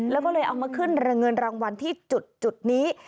แล้วก็เลยเอามาขึ้นเงินรางวัลที่จุดนี้